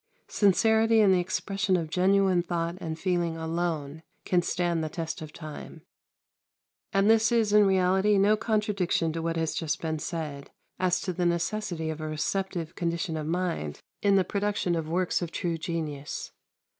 Sincerity in the expression of genuine thought and feeling alone can stand the test of time. And this is in reality no contradiction to what has just been said as to the necessity of a receptive condition of mind in the production of works of true genius.